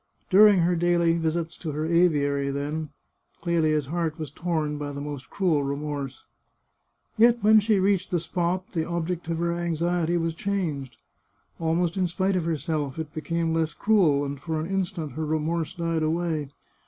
During her daily visits to her aviary, then, Clelia's heart was torn by the most cruel remorse. Yet when she reached the spot, the object of her anxiety was changed ; almost in spite of herself, it became less cruel, and, for an instant, her remorse died away.